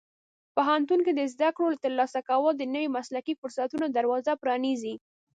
پوهنتون کې د زده کړو ترلاسه کول د نوي مسلکي فرصتونو دروازه پرانیزي.